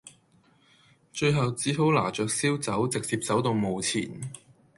最後只好拿著燒酒直接走到墓前